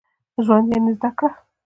ژوند يعني زده کړه.